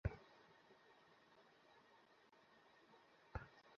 আমরা তো অপরাধী।